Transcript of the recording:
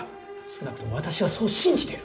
少なくとも私はそう信じている。